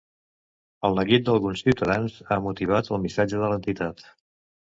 El neguit d'alguns ciutadans ha motivat el missatge de l'entitat.